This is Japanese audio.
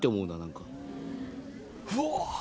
うわ！